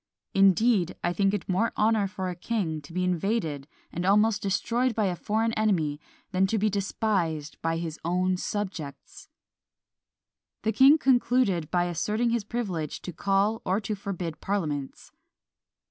Indeed, I think it more honour for a king to be invaded and almost destroyed by a foreign enemy than to be despised by his own subjects. The king concluded by asserting his privilege to call or to forbid parliaments.